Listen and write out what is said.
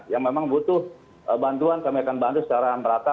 yang memang butuh bantuan kami akan bantu secara merata